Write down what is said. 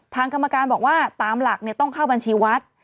ทางกรรมการบอกว่าตามหลักต้องเข้าบัญชีวัด